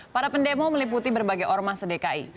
para pendemo meliputi berbagai orma sedekai